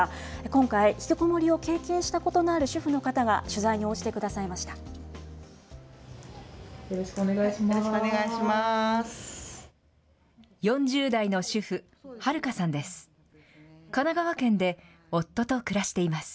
今回、引きこもりを経験したことがある主婦の方が、取材に応じてよろしくお願いします。